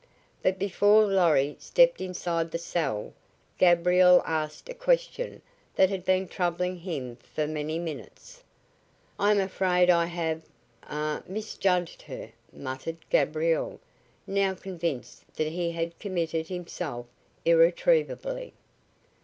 But before Lorry stepped inside the cell Gabriel asked a question that had been troubling him for many minutes. "I am afraid I have ah misjudged her," muttered Gabriel, now convinced that he had committed himself irretrievably.